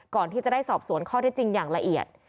ก่อนที่จะได้สอบสวนข้อที่จริงอย่างละเอียด